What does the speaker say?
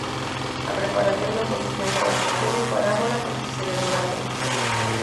A preparación de oposicións a maxisterio parámola porque se demoraron.